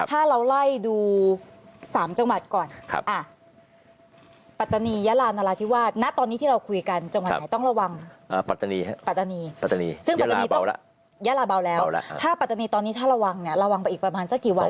ปัตตานีครับยาลาเบาแล้วถ้าปัตตานีตอนนี้ถ้าระวังเนี่ยระวังไปอีกประมาณสักกี่วัน